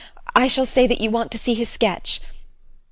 I shall say that you want to see his sketch.